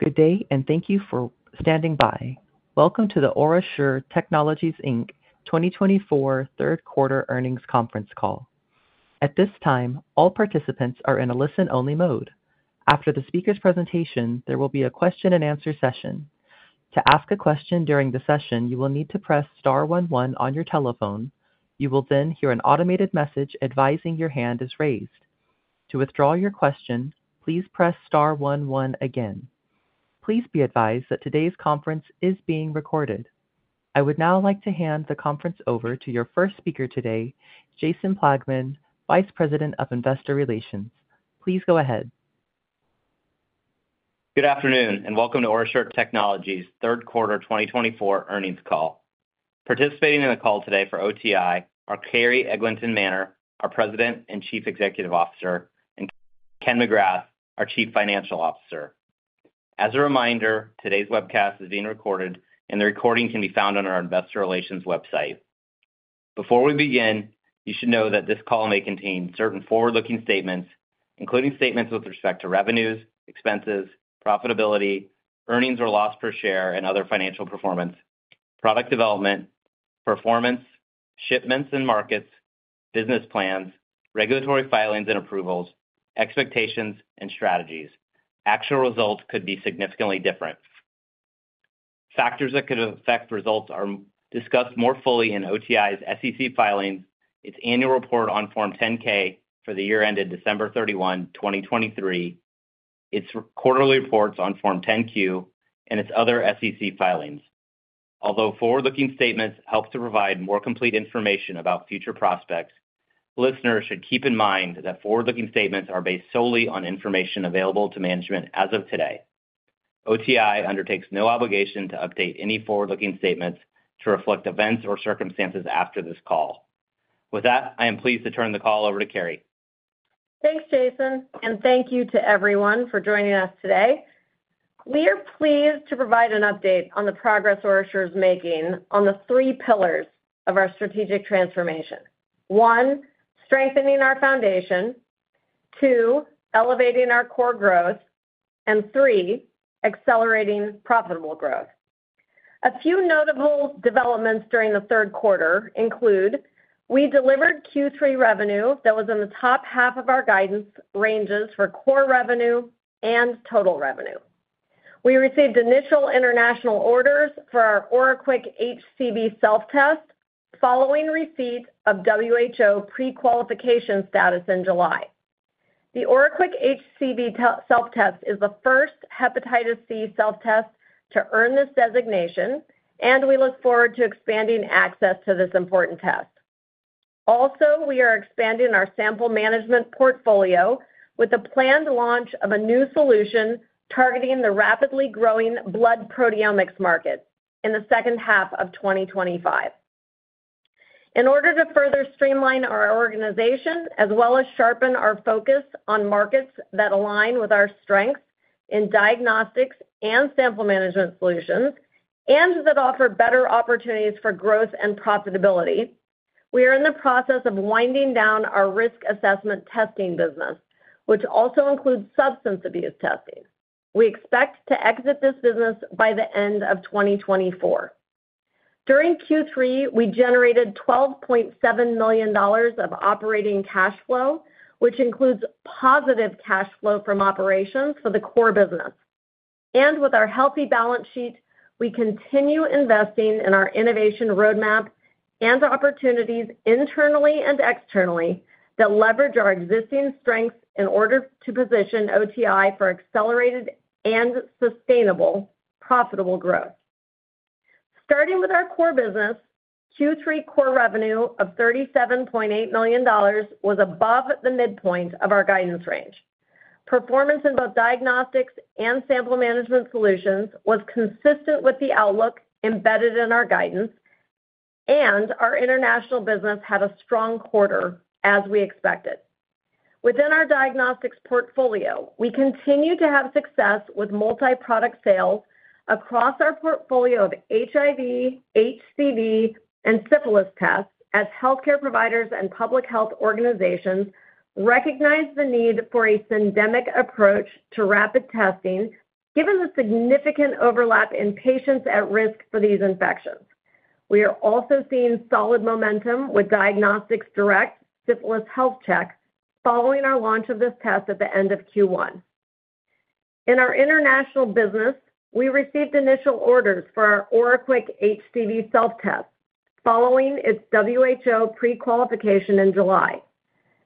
Good day, and thank you for standing by. Welcome to the OraSure Technologies Inc. 2024 Third Quarter Earnings Conference Call. At this time, all participants are in a listen-only mode. After the speaker's presentation, there will be a question-and-answer session. To ask a question during the session, you will need to press star 11 on your telephone. You will then hear an automated message advising your hand is raised. To withdraw your question, please press star 11 again. Please be advised that today's conference is being recorded. I would now like to hand the conference over to your first speaker today, Jason Plagman, Vice President of Investor Relations. Please go ahead. Good afternoon, and welcome to OraSure Technologies Third Quarter 2024 Earnings Call. Participating in the call today for OTI are Carrie Eglinton Manner, our President and Chief Executive Officer, and Ken McGrath, our Chief Financial Officer. As a reminder, today's webcast is being recorded, and the recording can be found on our Investor Relations website. Before we begin, you should know that this call may contain certain forward-looking statements, including statements with respect to revenues, expenses, profitability, earnings or loss per share, and other financial performance, product development, performance, shipments and markets, business plans, regulatory filings and approvals, expectations, and strategies. Actual results could be significantly different. Factors that could affect results are discussed more fully in OTI's SEC filings, its annual report on Form 10-K for the year ended December 31, 2023, its quarterly reports on Form 10-Q, and its other SEC filings. Although forward-looking statements help to provide more complete information about future prospects, listeners should keep in mind that forward-looking statements are based solely on information available to management as of today. OTI undertakes no obligation to update any forward-looking statements to reflect events or circumstances after this call. With that, I am pleased to turn the call over to Carrie. Thanks, Jason, and thank you to everyone for joining us today. We are pleased to provide an update on the progress OraSure is making on the three pillars of our strategic transformation: one, strengthening our foundation. Two, elevating our core growth. And three, accelerating profitable growth. A few notable developments during the third quarter include, we delivered Q3 revenue that was in the top half of our guidance ranges for core revenue and total revenue. We received initial international orders for our OraQuick HCV self-test following receipt of WHO pre-qualification status in July. The OraQuick HCV self-test is the first hepatitis C self-test to earn this designation, and we look forward to expanding access to this important test. Also, we are expanding our sample management portfolio with the planned launch of a new solution targeting the rapidly growing blood proteomics market in the second half of 2025. In order to further streamline our organization, as well as sharpen our focus on markets that align with our strengths in diagnostics and sample management solutions, and that offer better opportunities for growth and profitability, we are in the process of winding down our risk assessment testing business, which also includes substance abuse testing. We expect to exit this business by the end of 2024. During Q3, we generated $12.7 million of operating cash flow, which includes positive cash flow from operations for the core business, and with our healthy balance sheet, we continue investing in our innovation roadmap and opportunities internally and externally that leverage our existing strengths in order to position OTI for accelerated and sustainable profitable growth. Starting with our core business, Q3 core revenue of $37.8 million was above the midpoint of our guidance range. Performance in both diagnostics and sample management solutions was consistent with the outlook embedded in our guidance, and our international business had a strong quarter as we expected. Within our diagnostics portfolio, we continue to have success with multi-product sales across our portfolio of HIV, HCV, and syphilis tests as healthcare providers and public health organizations recognize the need for a syndemic approach to rapid testing, given the significant overlap in patients at risk for these infections. We are also seeing solid momentum with Diagnostics Direct Syphilis Health Check following our launch of this test at the end of Q1. In our international business, we received initial orders for our OraQuick HCV Self-Test following its WHO pre-qualification in July.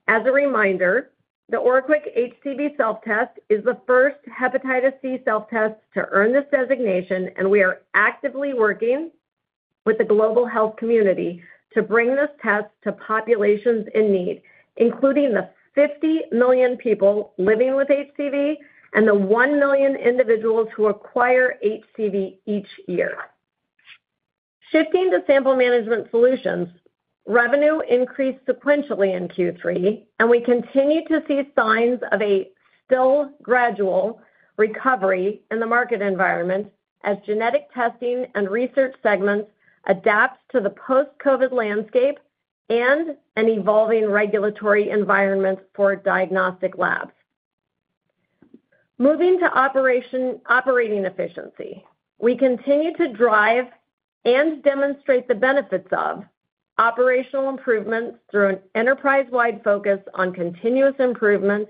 As a reminder, the OraQuick HCV Self-Test is the first hepatitis C self-test to earn this designation, and we are actively working with the global health community to bring this test to populations in need, including the 50 million people living with HCV and the 1 million individuals who acquire HCV each year. Shifting to sample management solutions, revenue increased sequentially in Q3, and we continue to see signs of a still gradual recovery in the market environment as genetic testing and research segments adapt to the post-COVID landscape and an evolving regulatory environment for diagnostic labs. Moving to operating efficiency, we continue to drive and demonstrate the benefits of operational improvements through an enterprise-wide focus on continuous improvement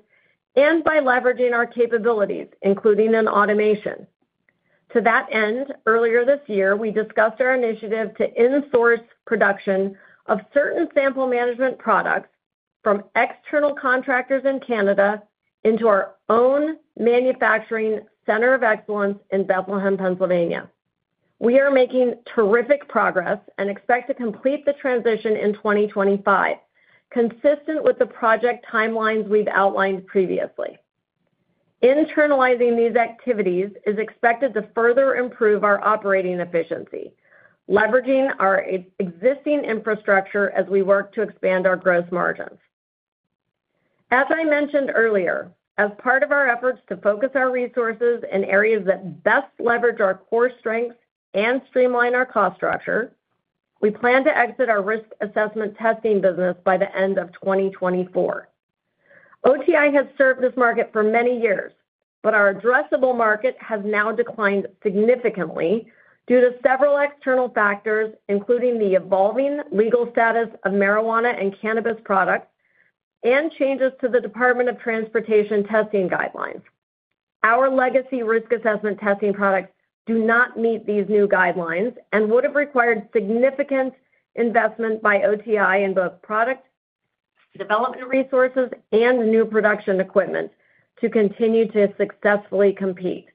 and by leveraging our capabilities, including in automation. To that end, earlier this year, we discussed our initiative to insource production of certain sample management products from external contractors in Canada into our own manufacturing center of excellence in Bethlehem, Pennsylvania. We are making terrific progress and expect to complete the transition in 2025, consistent with the project timelines we've outlined previously. Internalizing these activities is expected to further improve our operating efficiency, leveraging our existing infrastructure as we work to expand our gross margins. As I mentioned earlier, as part of our efforts to focus our resources in areas that best leverage our core strengths and streamline our cost structure, we plan to exit our risk assessment testing business by the end of 2024. OTI has served this market for many years, but our addressable market has now declined significantly due to several external factors, including the evolving legal status of marijuana and cannabis products and changes to the Department of Transportation testing guidelines. Our legacy risk assessment testing products do not meet these new guidelines and would have required significant investment by OTI in both product development resources and new production equipment to continue to successfully compete.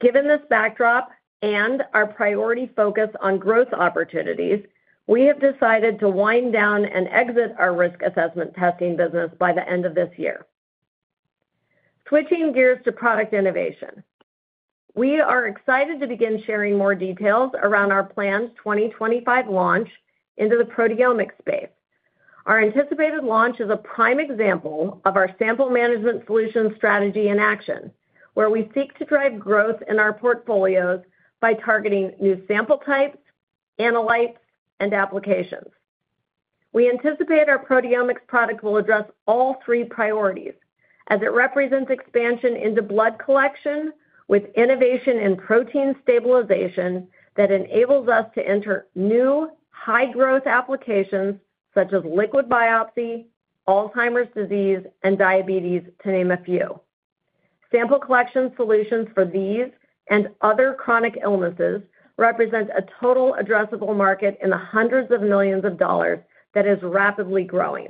Given this backdrop and our priority focus on growth opportunities, we have decided to wind down and exit our risk assessment testing business by the end of this year. Switching gears to product innovation, we are excited to begin sharing more details around our planned 2025 launch into the proteomics space. Our anticipated launch is a prime example of our sample management solution strategy in action, where we seek to drive growth in our portfolios by targeting new sample types, analytes, and applications. We anticipate our proteomics product will address all three priorities as it represents expansion into blood collection with innovation in protein stabilization that enables us to enter new high-growth applications such as liquid biopsy, Alzheimer's disease, and diabetes, to name a few. Sample collection solutions for these and other chronic illnesses represent a total addressable market in the hundreds of millions of dollars that is rapidly growing.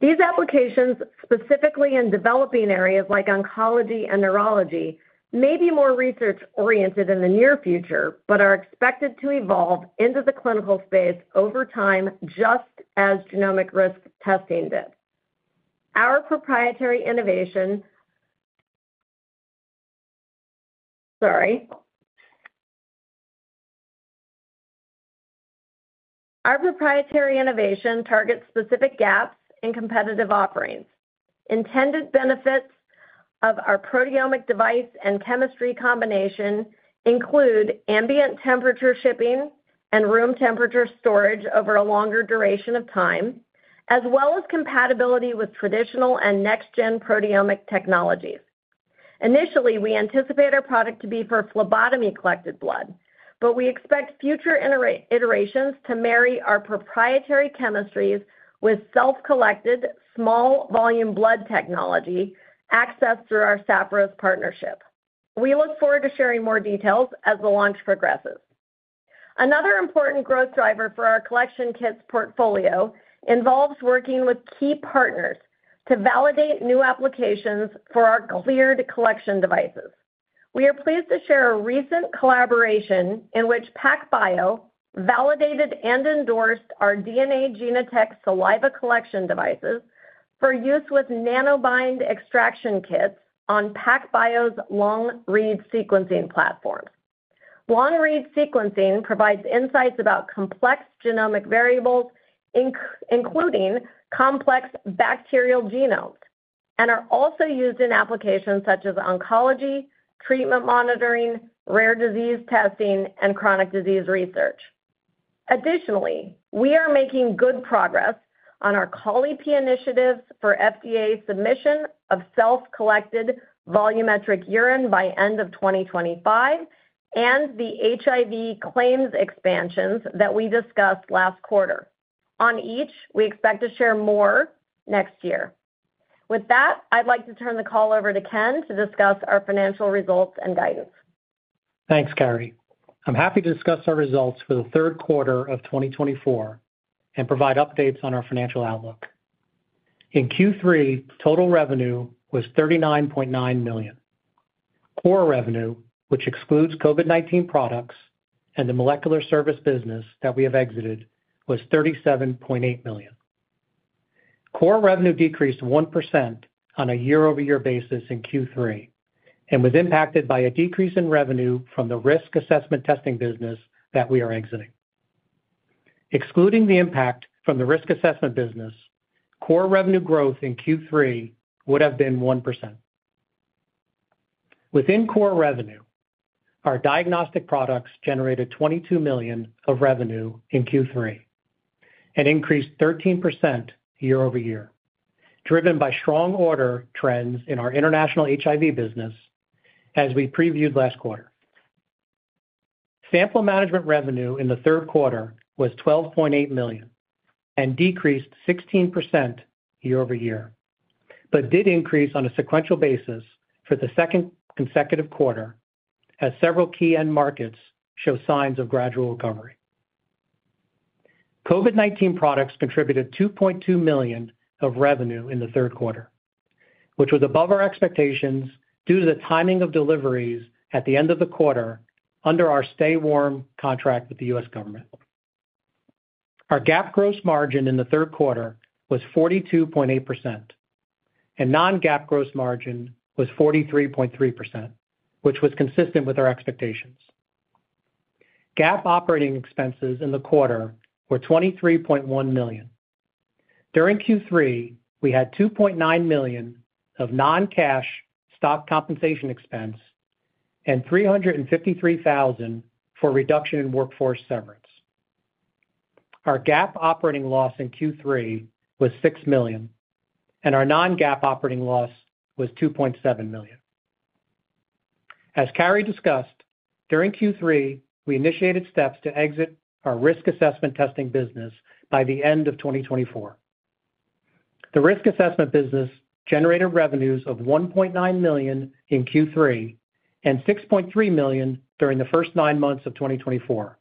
These applications, specifically in developing areas like oncology and neurology, may be more research-oriented in the near future, but are expected to evolve into the clinical space over time, just as genomic risk testing did. Our proprietary innovation targets specific gaps in competitive offerings. Intended benefits of our proteomic device and chemistry combination include ambient temperature shipping and room temperature storage over a longer duration of time, as well as compatibility with traditional and next-gen proteomic technologies. Initially, we anticipate our product to be for phlebotomy-collected blood, but we expect future iterations to marry our proprietary chemistries with self-collected small-volume blood technology accessed through our Sapphiros partnership. We look forward to sharing more details as the launch progresses. Another important growth driver for our collection kits portfolio involves working with key partners to validate new applications for our cleared collection devices. We are pleased to share a recent collaboration in which PacBio validated and endorsed our DNA Genotek saliva collection devices for use with Nanobind extraction kits on PacBio's long-read sequencing platforms. Long-read sequencing provides insights about complex genomic variables, including complex bacterial genomes, and are also used in applications such as oncology, treatment monitoring, rare disease testing, and chronic disease research. Additionally, we are making good progress on our Colli-Pee initiatives for FDA submission of self-collected volumetric urine by end of 2025 and the HIV claims expansions that we discussed last quarter. On each, we expect to share more next year. With that, I'd like to turn the call over to Ken to discuss our financial results and guidance. Thanks, Carrie. I'm happy to discuss our results for the third quarter of 2024 and provide updates on our financial outlook. In Q3, total revenue was $39.9 million. Core revenue, which excludes COVID-19 products and the molecular service business that we have exited, was $37.8 million. Core revenue decreased 1% on a year-over-year basis in Q3 and was impacted by a decrease in revenue from the risk assessment testing business that we are exiting. Excluding the impact from the risk assessment business, core revenue growth in Q3 would have been 1%. Within core revenue, our diagnostic products generated $22 million of revenue in Q3 and increased 13% year-over-year, driven by strong order trends in our international HIV business as we previewed last quarter. Sample management revenue in the third quarter was $12.8 million and decreased 16% year-over-year, but did increase on a sequential basis for the second consecutive quarter as several key end markets show signs of gradual recovery. COVID-19 products contributed $2.2 million of revenue in the third quarter, which was above our expectations due to the timing of deliveries at the end of the quarter under our Stay-Warm Contract with the U.S. government. Our GAAP gross margin in the third quarter was 42.8%, and non-GAAP gross margin was 43.3%, which was consistent with our expectations. GAAP operating expenses in the quarter were $23.1 million. During Q3, we had $2.9 million of non-cash stock compensation expense and $353,000 for reduction in workforce severance. Our GAAP operating loss in Q3 was $6 million, and our non-GAAP operating loss was $2.7 million. As Carrie discussed, during Q3, we initiated steps to exit our risk assessment testing business by the end of 2024. The risk assessment business generated revenues of $1.9 million in Q3 and $6.3 million during the first nine months of 2024,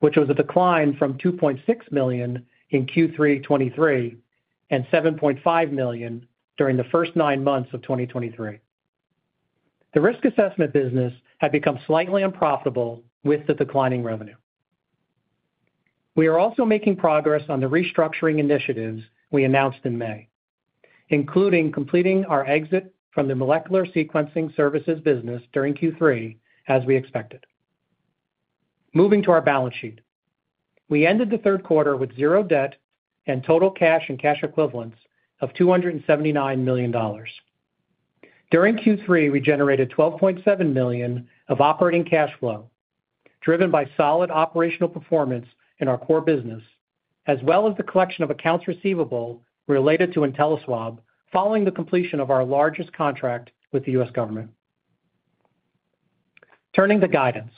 which was a decline from $2.6 million in Q3 2023 and $7.5 million during the first nine months of 2023. The risk assessment business had become slightly unprofitable with the declining revenue. We are also making progress on the restructuring initiatives we announced in May, including completing our exit from the molecular sequencing services business during Q3, as we expected. Moving to our balance sheet, we ended the third quarter with zero debt and total cash and cash equivalents of $279 million. During Q3, we generated $12.7 million of operating cash flow, driven by solid operational performance in our core business, as well as the collection of accounts receivable related to IntelliSwab following the completion of our largest contract with the U.S. government. Turning to guidance,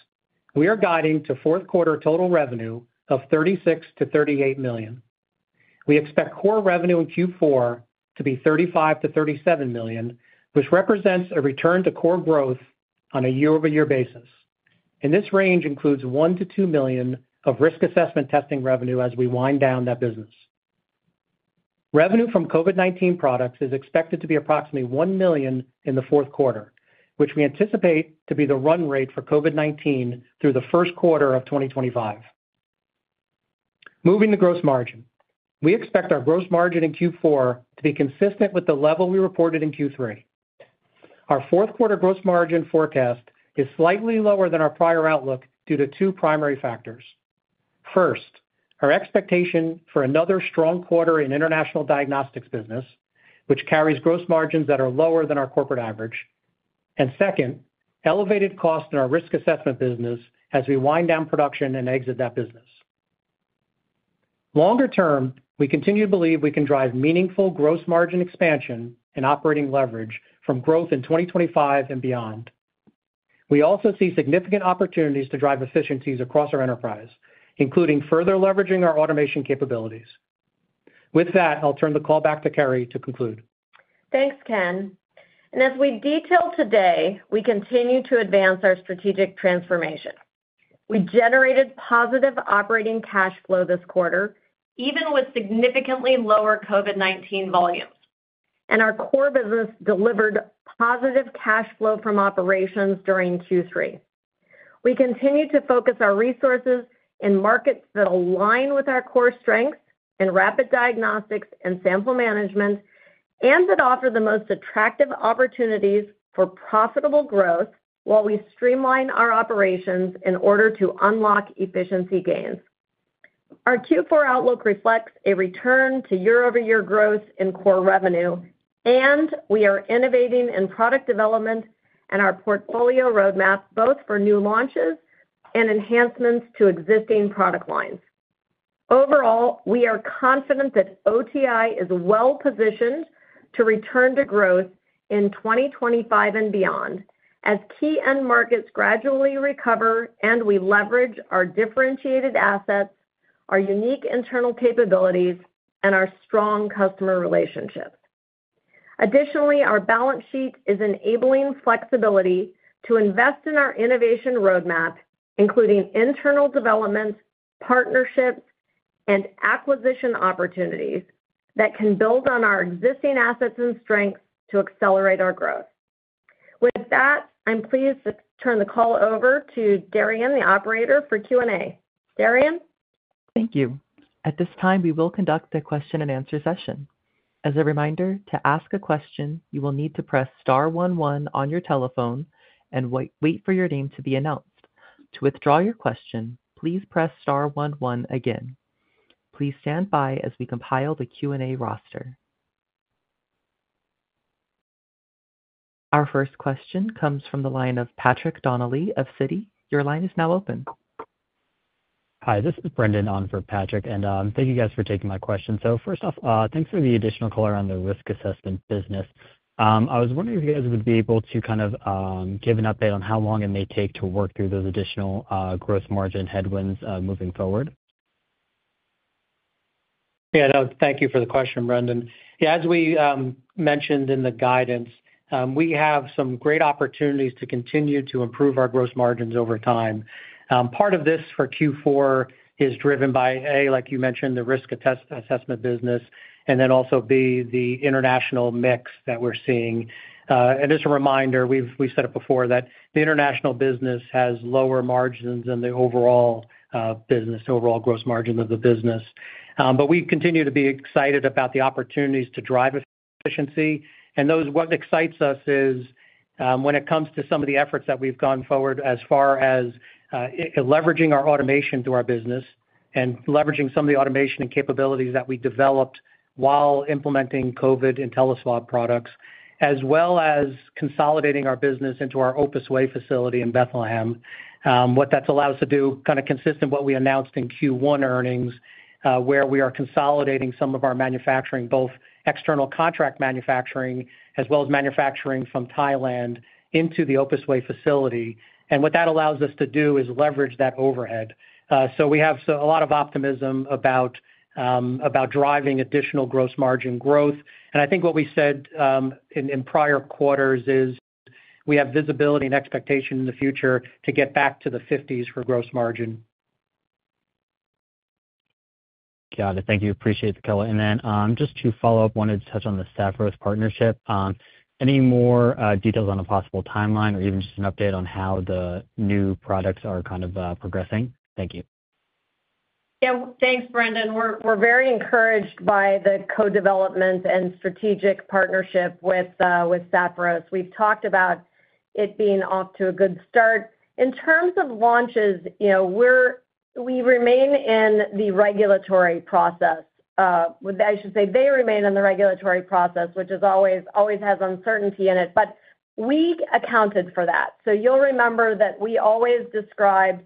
we are guiding to fourth quarter total revenue of $36-$38 million. We expect core revenue in Q4 to be $35-$37 million, which represents a return to core growth on a year-over-year basis. This range includes $1-$2 million of risk assessment testing revenue as we wind down that business. Revenue from COVID-19 products is expected to be approximately $1 million in the fourth quarter, which we anticipate to be the run rate for COVID-19 through the first quarter of 2025. Moving to gross margin, we expect our gross margin in Q4 to be consistent with the level we reported in Q3. Our fourth quarter gross margin forecast is slightly lower than our prior outlook due to two primary factors. First, our expectation for another strong quarter in international diagnostics business, which carries gross margins that are lower than our corporate average. And second, elevated costs in our risk assessment business as we wind down production and exit that business. Longer term, we continue to believe we can drive meaningful gross margin expansion and operating leverage from growth in 2025 and beyond. We also see significant opportunities to drive efficiencies across our enterprise, including further leveraging our automation capabilities. With that, I'll turn the call back to Carrie to conclude. Thanks, Ken. And as we detail today, we continue to advance our strategic transformation. We generated positive operating cash flow this quarter, even with significantly lower COVID-19 volumes. And our core business delivered positive cash flow from operations during Q3. We continue to focus our resources in markets that align with our core strengths in rapid diagnostics and sample management and that offer the most attractive opportunities for profitable growth while we streamline our operations in order to unlock efficiency gains. Our Q4 outlook reflects a return to year-over-year growth in core revenue, and we are innovating in product development and our portfolio roadmap, both for new launches and enhancements to existing product lines. Overall, we are confident that OTI is well-positioned to return to growth in 2025 and beyond as key end markets gradually recover and we leverage our differentiated assets, our unique internal capabilities, and our strong customer relationships. Additionally, our balance sheet is enabling flexibility to invest in our innovation roadmap, including internal developments, partnerships, and acquisition opportunities that can build on our existing assets and strengths to accelerate our growth. With that, I'm pleased to turn the call over to Daryan, the operator, for Q&A. Daryan. Thank you. At this time, we will conduct the question-and-answer session. As a reminder, to ask a question, you will need to press star 11 on your telephone and wait for your name to be announced. To withdraw your question, please press star 11 again. Please stand by as we compile the Q&A roster. Our first question comes from the line of Patrick Donnelly of Citi. Your line is now open. Hi, this is Brendan on for Patrick, and thank you guys for taking my question. So first off, thanks for the additional call around the risk assessment business. I was wondering if you guys would be able to kind of give an update on how long it may take to work through those additional gross margin headwinds moving forward? Yeah, thank you for the question, Brendan. Yeah, as we mentioned in the guidance, we have some great opportunities to continue to improve our gross margins over time. Part of this for Q4 is driven by, A, like you mentioned, the risk assessment business, and then also B, the international mix that we're seeing. And just a reminder, we've said it before, that the international business has lower margins than the overall business, the overall gross margin of the business. But we continue to be excited about the opportunities to drive efficiency. And what excites us is when it comes to some of the efforts that we've gone forward as far as leveraging our automation to our business and leveraging some of the automation and capabilities that we developed while implementing COVID IntelliSwab products, as well as consolidating our business into our Opus Way facility in Bethlehem. What that's allowed us to do kind of consists of what we announced in Q1 earnings, where we are consolidating some of our manufacturing, both external contract manufacturing as well as manufacturing from Thailand into the Opus Way facility. And what that allows us to do is leverage that overhead. So we have a lot of optimism about driving additional gross margin growth. And I think what we said in prior quarters is we have visibility and expectation in the future to get back to the 50s for gross margin. Got it. Thank you. Appreciate the color. And then just to follow up, wanted to touch on the Sapphiros partnership. Any more details on a possible timeline or even just an update on how the new products are kind of progressing? Thank you. Yeah, thanks, Brendan. We're very encouraged by the co-development and strategic partnership with Sapphiros. We've talked about it being off to a good start. In terms of launches, we remain in the regulatory process. I should say they remain in the regulatory process, which always has uncertainty in it. But we accounted for that. So you'll remember that we always described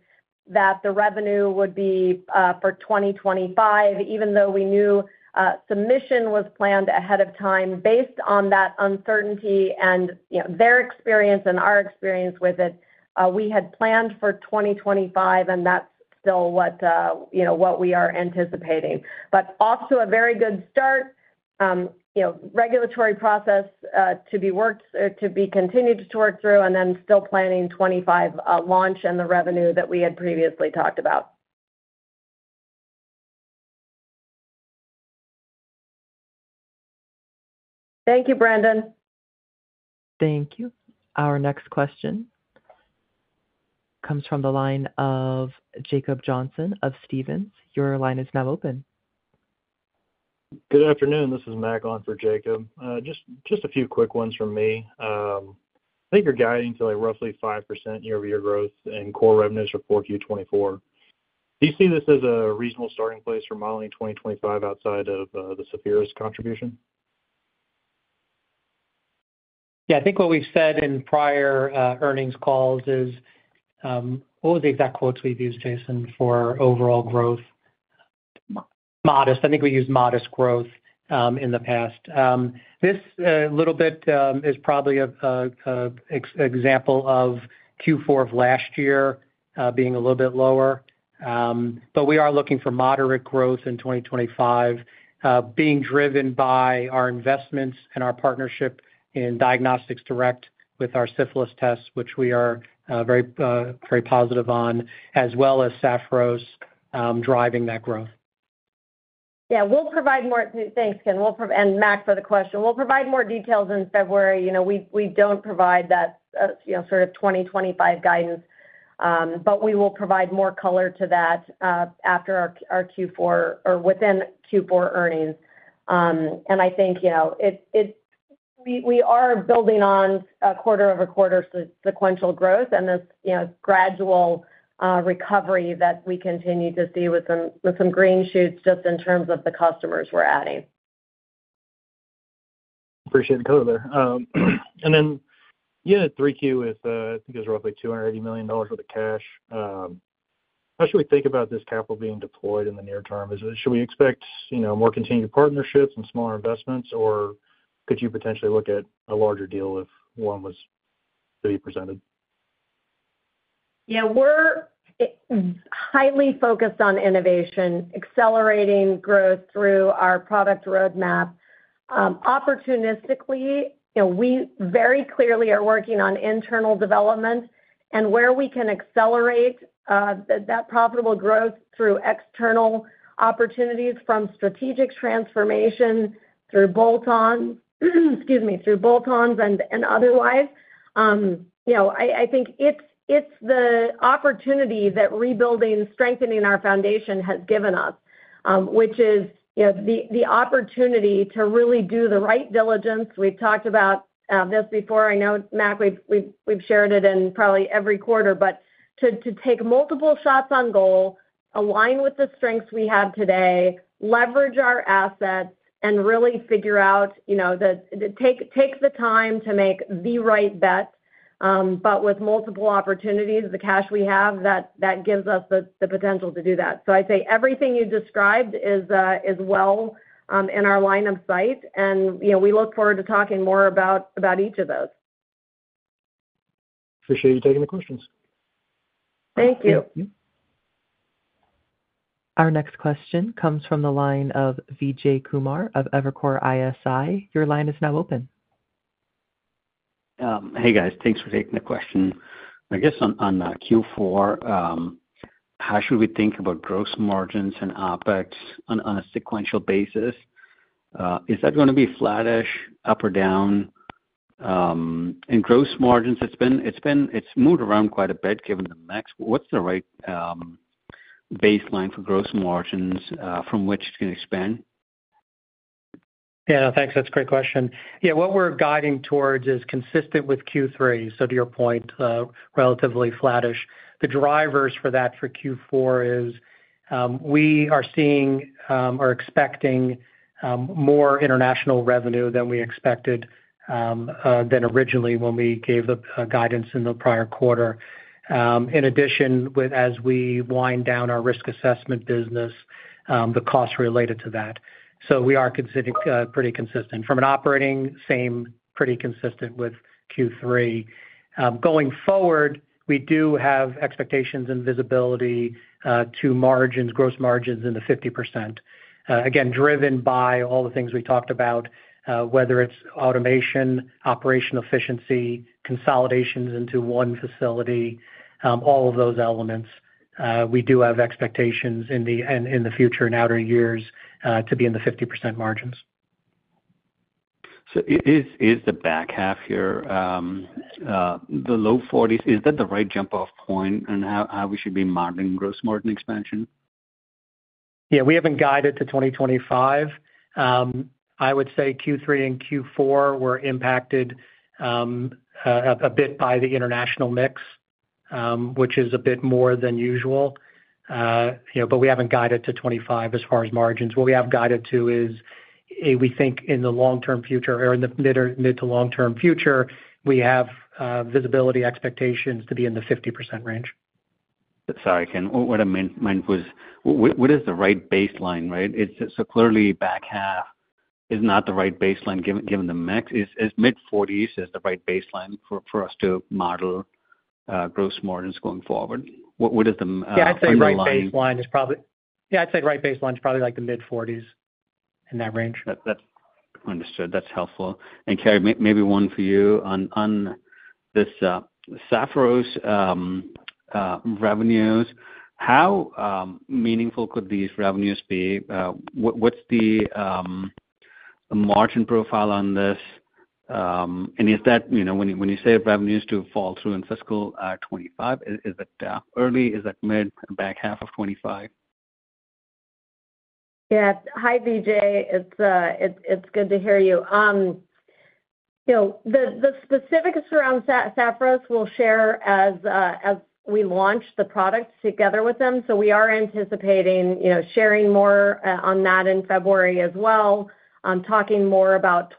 that the revenue would be for 2025, even though we knew submission was planned ahead of time. Based on that uncertainty and their experience and our experience with it, we had planned for 2025, and that's still what we are anticipating. But also a very good start, regulatory process to be continued to work through, and then still planning 2025 launch and the revenue that we had previously talked about. Thank you, Brendan. Thank you. Our next question comes from the line of Jacob Johnson of Stephens. Your line is now open. Good afternoon. This is Mac on for, Jacob. Just a few quick ones from me. I think you're guiding to roughly 5% year-over-year growth in core revenues for Q2 2024. Do you see this as a reasonable starting place for modeling 2025 outside of the Sapphiros's contribution? Yeah, I think what we've said in prior earnings calls is what was the exact quotes we've used, Jason, for overall growth? Modest. I think we used modest growth in the past. This little bit is probably an example of Q4 of last year being a little bit lower. But we are looking for moderate growth in 2025, being driven by our investments and our partnership in Diagnostics Direct with our syphilis tests, which we are very positive on, as well as Sapphiros driving that growth. Yeah, we'll provide more. Thanks, Ken, and Matt for the question. We'll provide more details in February. We don't provide that sort of 2025 guidance, but we will provide more color to that after our Q4 or within Q4 earnings. I think we are building on a quarter-over-quarter sequential growth and this gradual recovery that we continue to see with some green shoots just in terms of the customers we're adding. Appreciate it, Colvin. And then in the 3Q, I think it was roughly $280 million worth of cash. How should we think about this capital being deployed in the near term? Should we expect more continued partnerships and smaller investments, or could you potentially look at a larger deal if one was to be presented? Yeah, we're highly focused on innovation, accelerating growth through our product roadmap. Opportunistically, we very clearly are working on internal development and where we can accelerate that profitable growth through external opportunities from strategic transformation through bolt-ons and otherwise. I think it's the opportunity that rebuilding, strengthening our foundation has given us, which is the opportunity to really do the right diligence. We've talked about this before. I know, Matt, we've shared it in probably every quarter, but to take multiple shots on goal, align with the strengths we have today, leverage our assets, and really figure out to take the time to make the right bet. But with multiple opportunities, the cash we have, that gives us the potential to do that. So I'd say everything you described is well in our line of sight, and we look forward to talking more about each of those. Appreciate you taking the questions. Thank you. Our next question comes from the line of Vijay Kumar of Evercore ISI. Your line is now open. Hey, guys. Thanks for taking the question. I guess on Q4, how should we think about gross margins and OPEX on a sequential basis? Is that going to be flattish, up or down? And gross margins, it's moved around quite a bit given the mix. What's the right baseline for gross margins from which it can expand? Yeah, thanks. That's a great question. Yeah, what we're guiding towards is consistent with Q3. So to your point, relatively flattish. The drivers for that for Q4 is we are seeing or expecting more international revenue than we expected than originally when we gave the guidance in the prior quarter. In addition, as we wind down our risk assessment business, the costs related to that. So we are considering pretty consistent. From an operating, same, pretty consistent with Q3. Going forward, we do have expectations and visibility to margins, gross margins in the 50%, again, driven by all the things we talked about, whether it's automation, operational efficiency, consolidations into one facility, all of those elements. We do have expectations in the future and outer years to be in the 50% margins. So is the back half here, the low 40s, is that the right jump-off point on how we should be modeling gross margin expansion? Yeah, we haven't guided to 2025. I would say Q3 and Q4 were impacted a bit by the international mix, which is a bit more than usual. But we haven't guided to 25 as far as margins. What we have guided to is we think in the long-term future or in the mid to long-term future, we have visibility expectations to be in the 50% range. Sorry, Ken. What I meant was what is the right baseline, right? So clearly, back half is not the right baseline given the mix. Is mid 40s the right baseline for us to model gross margins going forward? What is the right baseline? Yeah, I'd say right baseline is probably like the mid 40s in that range. Understood. That's helpful. And Carrie, maybe one for you. On this Sapphiros revenues, how meaningful could these revenues be? What's the margin profile on this? And is that when you say revenues do flow through in fiscal 2025, is that early? Is that mid or back half of 2025? Yeah. Hi, Vijay. It's good to hear you. The specifics around Sapphiros we'll share as we launch the products together with them. So we are anticipating sharing more on that in February as well, talking more about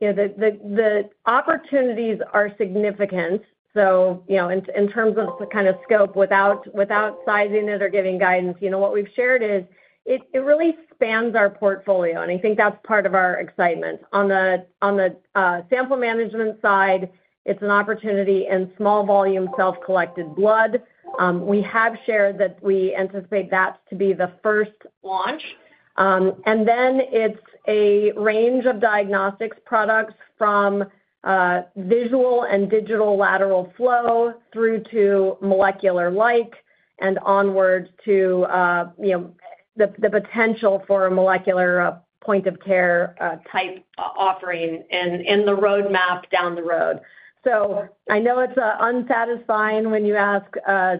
2025. The opportunities are significant. So in terms of the kind of scope, without sizing it or giving guidance, what we've shared is it really spans our portfolio, and I think that's part of our excitement. On the sample management side, it's an opportunity in small volume self-collected blood. We have shared that we anticipate that to be the first launch. And then it's a range of diagnostics products from visual and digital lateral flow through to molecular-like and onward to the potential for a molecular point of care type offering in the roadmap down the road. I know it's unsatisfying when you ask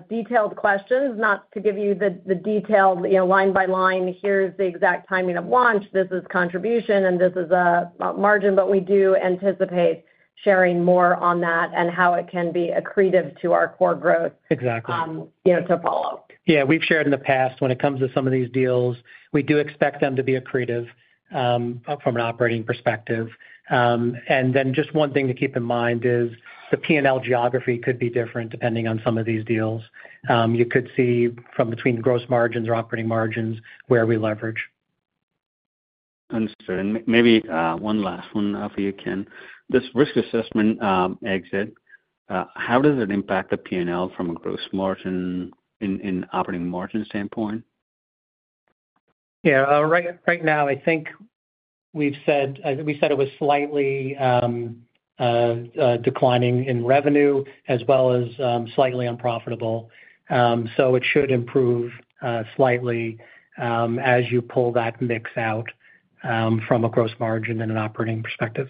detailed questions, not to give you the detailed line by line, "Here's the exact timing of launch. This is contribution, and this is a margin." But we do anticipate sharing more on that and how it can be accretive to our core growth to follow. Exactly. Yeah, we've shared in the past when it comes to some of these deals. We do expect them to be accretive from an operating perspective. And then just one thing to keep in mind is the P&L geography could be different depending on some of these deals. You could see from between gross margins or operating margins where we leverage. Understood. And maybe one last one for you, Ken. This risk assessment exit, how does it impact the P&L from a gross margin in operating margin standpoint? Yeah, right now, I think we've said it was slightly declining in revenue as well as slightly unprofitable. So it should improve slightly as you pull that mix out from a gross margin and an operating perspective.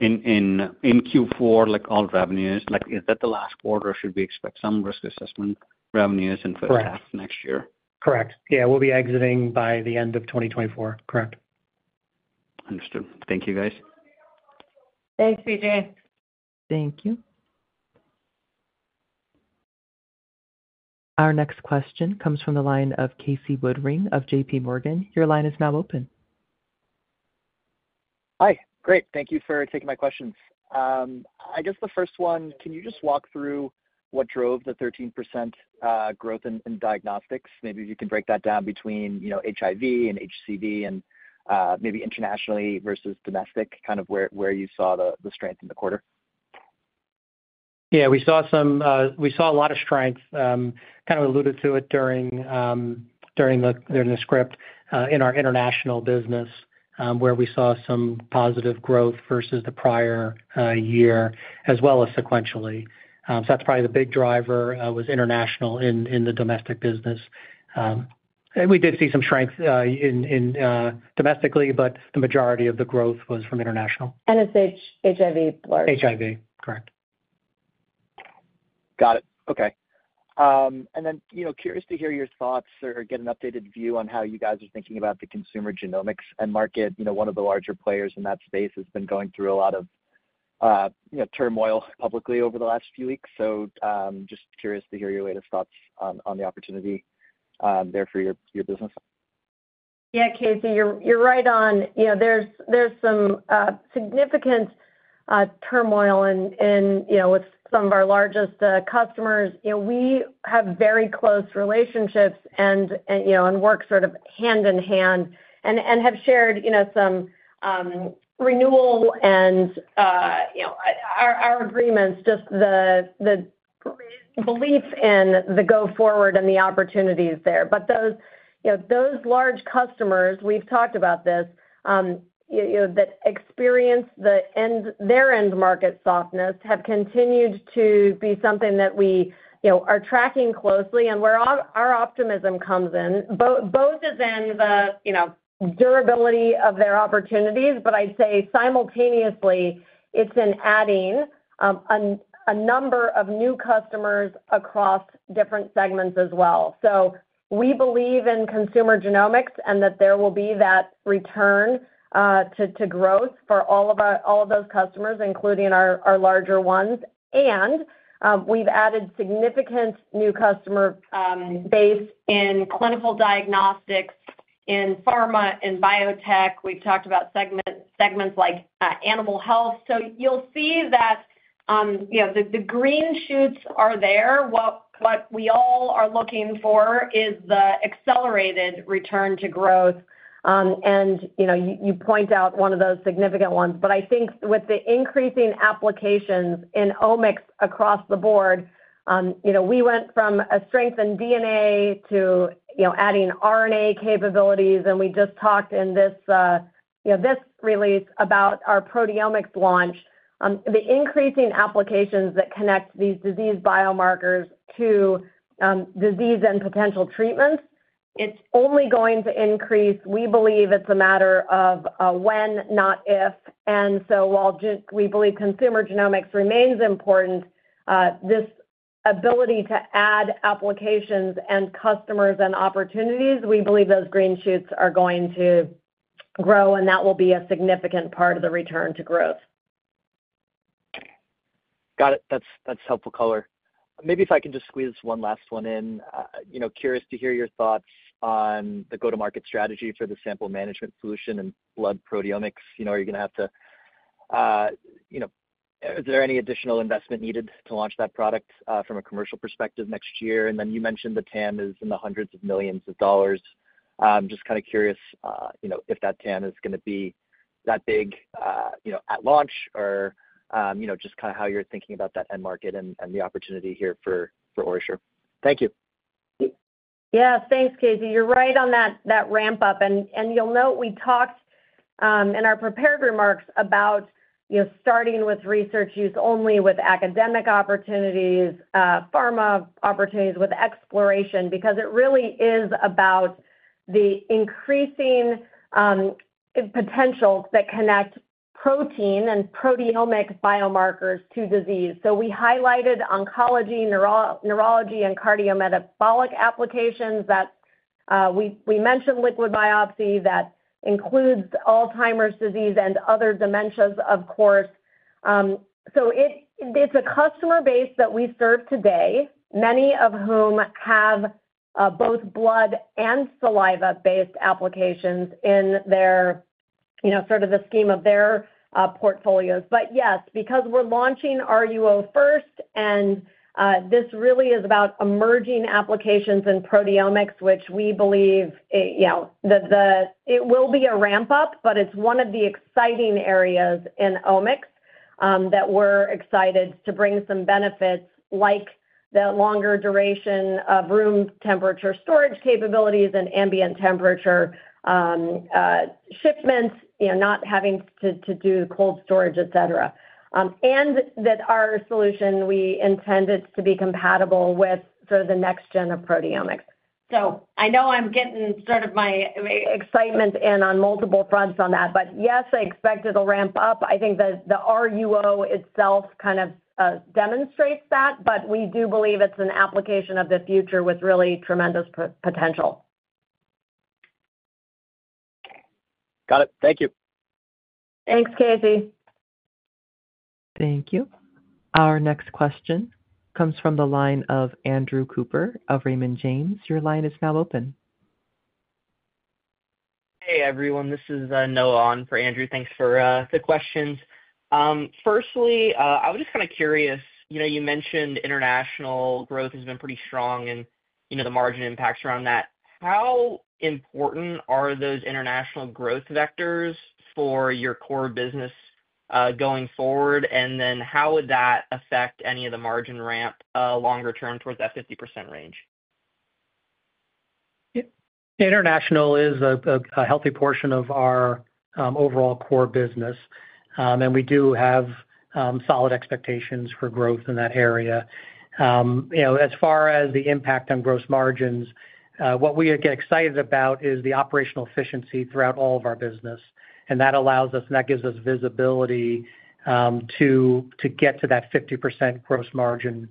In Q4, like all revenues, is that the last quarter or should we expect some risk assessment revenues and for the next year? Correct. Yeah, we'll be exiting by the end of 2024. Correct. Understood. Thank you, guys. Thanks, Vijay. Thank you. Our next question comes from the line of Casey Woodring of JPMorgan. Your line is now open. Hi. Great. Thank you for taking my questions. I guess the first one, can you just walk through what drove the 13% growth in diagnostics? Maybe if you can break that down between HIV and HCV and maybe internationally versus domestic, kind of where you saw the strength in the quarter. Yeah, we saw a lot of strength. Kind of alluded to it during the script in our international business where we saw some positive growth versus the prior year as well as sequentially. So that's probably the big driver was international in the domestic business. And we did see some strength domestically, but the majority of the growth was from international. It's HIV largely. HIV. Correct. Got it. Okay, and then curious to hear your thoughts or get an updated view on how you guys are thinking about the consumer genomics and market. One of the larger players in that space has been going through a lot of turmoil publicly over the last few weeks, so just curious to hear your latest thoughts on the opportunity there for your business. Yeah, Casey, you're right on. There's some significant turmoil with some of our largest customers. We have very close relationships and work sort of hand in hand and have shared some renewal and our agreements, just the belief in the go-forward and the opportunities there, but those large customers, we've talked about this, that experience their end market softness have continued to be something that we are tracking closely and where our optimism comes in, both as in the durability of their opportunities, but I'd say simultaneously it's in adding a number of new customers across different segments as well, so we believe in consumer genomics and that there will be that return to growth for all of those customers, including our larger ones, and we've added significant new customer base in clinical diagnostics, in pharma and biotech. We've talked about segments like animal health. So you'll see that the green shoots are there. What we all are looking for is the accelerated return to growth. And you point out one of those significant ones. But I think with the increasing applications in omics across the board, we went from a strength in DNA to adding RNA capabilities. And we just talked in this release about our proteomics launch. The increasing applications that connect these disease biomarkers to disease and potential treatments, it's only going to increase. We believe it's a matter of when, not if. And so while we believe consumer genomics remains important, this ability to add applications and customers and opportunities, we believe those green shoots are going to grow, and that will be a significant part of the return to growth. Got it. That's helpful, Color. Maybe if I can just squeeze one last one in. Curious to hear your thoughts on the go-to-market strategy for the sample management solution and blood proteomics. Is there any additional investment needed to launch that product from a commercial perspective next year? And then you mentioned the TAM is in the hundreds of millions of dollars. Just kind of curious if that TAM is going to be that big at launch or just kind of how you're thinking about that end market and the opportunity here for OraSure. Thank you. Yeah, thanks, Casey. You're right on that ramp-up. And you'll note we talked in our prepared remarks about starting with research use only with academic opportunities, pharma opportunities with exploration, because it really is about the increasing potentials that connect protein and proteomic biomarkers to disease. So we highlighted oncology, neurology, and cardiometabolic applications. We mentioned liquid biopsy that includes Alzheimer's disease and other dementias, of course. So it's a customer base that we serve today, many of whom have both blood and saliva-based applications in sort of the scheme of their portfolios. But yes, because we're launching RUO first, and this really is about emerging applications in proteomics, which we believe it will be a ramp-up. But it's one of the exciting areas in omics that we're excited to bring some benefits like the longer duration of room temperature storage capabilities and ambient temperature shipments, not having to do cold storage, etc. And that our solution, we intend it to be compatible with sort of the next gen of proteomics. So I know I'm getting sort of my excitement in on multiple fronts on that. But yes, I expect it'll ramp up. I think that the RUO itself kind of demonstrates that, but we do believe it's an application of the future with really tremendous potential. Got it. Thank you. Thanks, Casey. Thank you. Our next question comes from the line of Andrew Cooper of Raymond James. Your line is now open. Hey, everyone. This is Noah Ong for Andrew. Thanks for the questions. Firstly, I was just kind of curious. You mentioned international growth has been pretty strong and the margin impacts around that. How important are those international growth vectors for your core business going forward? And then how would that affect any of the margin ramp longer term towards that 50% range? International is a healthy portion of our overall core business, and we do have solid expectations for growth in that area. As far as the impact on gross margins, what we get excited about is the operational efficiency throughout all of our business. And that allows us, and that gives us visibility to get to that 50% gross margin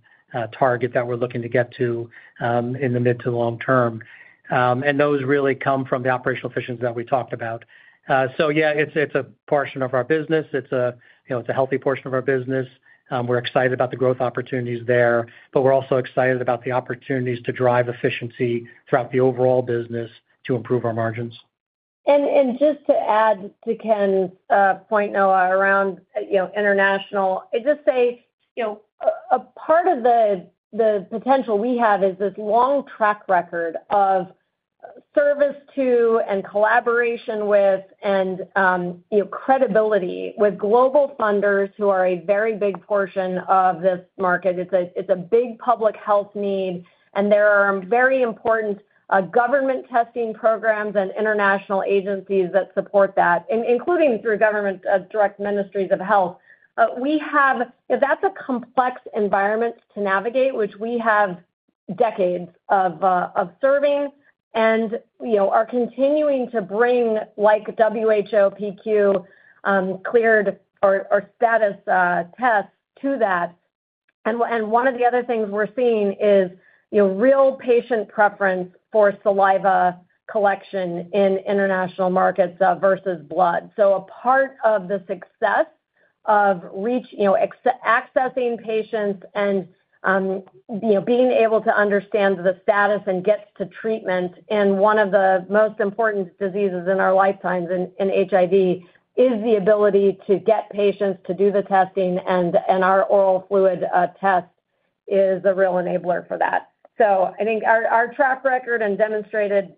target that we're looking to get to in the mid to long term. And those really come from the operational efficiencies that we talked about. So yeah, it's a portion of our business. It's a healthy portion of our business. We're excited about the growth opportunities there, but we're also excited about the opportunities to drive efficiency throughout the overall business to improve our margins. And just to add to Ken's point, Noah, around international, I'd just say a part of the potential we have is this long track record of service to and collaboration with and credibility with global funders who are a very big portion of this market. It's a big public health need, and there are very important government testing programs and international agencies that support that, including through government direct ministries of health. That's a complex environment to navigate, which we have decades of serving and are continuing to bring WHO PQ cleared or status tests to that. And one of the other things we're seeing is real patient preference for saliva collection in international markets versus blood. So a part of the success of accessing patients and being able to understand the status and get to treatment in one of the most important diseases in our lifetimes in HIV is the ability to get patients to do the testing, and our oral fluid test is a real enabler for that. So I think our track record and demonstrated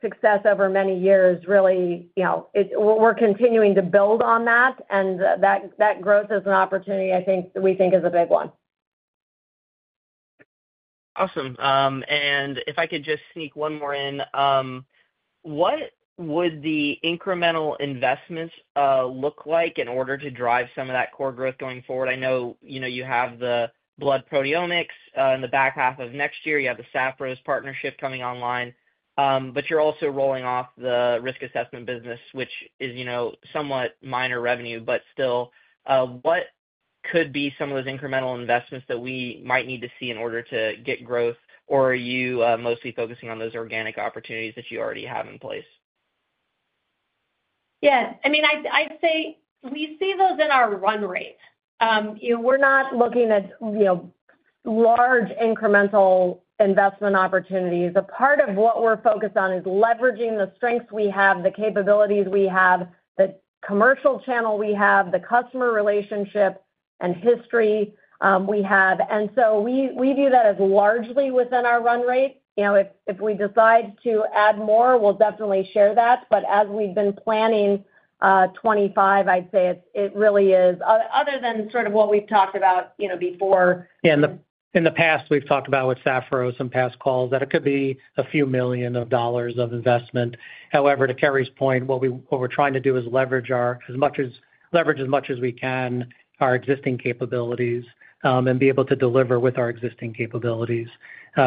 success over many years. Really, we're continuing to build on that, and that growth is an opportunity we think is a big one. Awesome, and if I could just sneak one more in, what would the incremental investments look like in order to drive some of that core growth going forward? I know you have the blood proteomics in the back half of next year. You have the Sapphiros partnership coming online, but you're also rolling off the risk assessment business, which is somewhat minor revenue, but still. What could be some of those incremental investments that we might need to see in order to get growth, or are you mostly focusing on those organic opportunities that you already have in place? Yeah. I mean, I'd say we see those in our run rate. We're not looking at large incremental investment opportunities. A part of what we're focused on is leveraging the strengths we have, the capabilities we have, the commercial channel we have, the customer relationship and history we have. And so we view that as largely within our run rate. If we decide to add more, we'll definitely share that. But as we've been planning 2025, I'd say it really is, other than sort of what we've talked about before. Yeah. In the past, we've talked about with Sapphiros in past calls that it could be a few million dollars of investment. However, to Carrie's point, what we're trying to do is leverage as much as we can our existing capabilities and be able to deliver with our existing capabilities.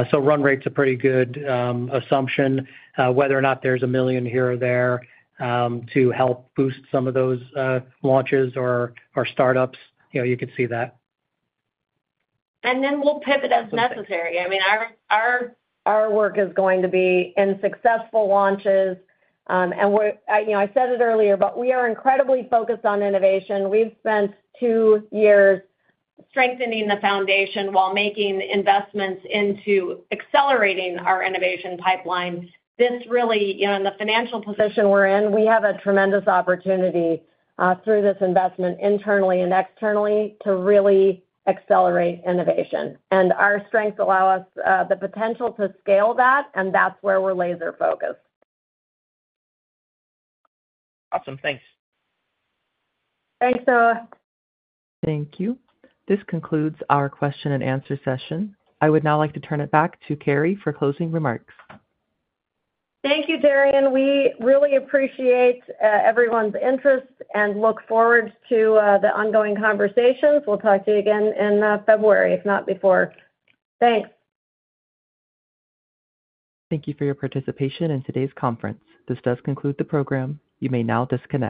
So run rate's a pretty good assumption. Whether or not there's a million here or there to help boost some of those launches or startups, you could see that. And then we'll pivot as necessary. I mean, our work is going to be in successful launches. And I said it earlier, but we are incredibly focused on innovation. We've spent two years strengthening the foundation while making investments into accelerating our innovation pipeline. This really, in the financial position we're in, we have a tremendous opportunity through this investment internally and externally to really accelerate innovation. And our strengths allow us the potential to scale that, and that's where we're laser-focused. Awesome. Thanks. Thanks, Noah. Thank you. This concludes our question and answer session. I would now like to turn it back to Carrie for closing remarks. Thank you, Daryan. We really appreciate everyone's interest and look forward to the ongoing conversations. We'll talk to you again in February, if not before. Thanks. Thank you for your participation in today's conference. This does conclude the program. You may now disconnect.